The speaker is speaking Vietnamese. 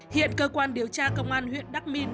hiện cơ quan điều tra công an huyện đắc minh